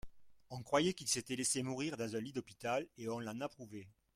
On croyait qu'il s'etait laisse mourir dans un lit d'hôpital, et on l'en approuvait.